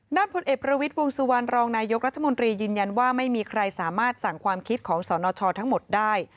พลเอกประวิทย์วงสุวรรณรองนายกรัฐมนตรียืนยันว่าไม่มีใครสามารถสั่งความคิดของสนชทั้งหมดได้